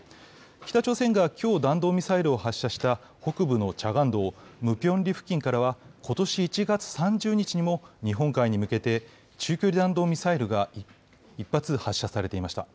北朝鮮がきょう弾道ミサイルを発射した北部のチャガン道ムピョンリ付近からは、ことし１月３０日にも日本海に向けて中距離弾道ミサイルが１発発射されていました。